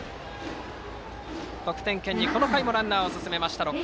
得点圏にこの回もランナーを進めました。